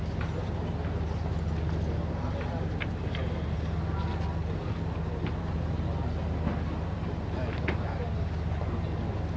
ที่บรรยาเรียนครับประธาน